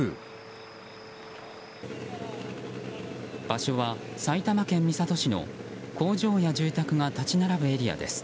場所は埼玉県三郷市の工場や住宅が立ち並ぶエリアです。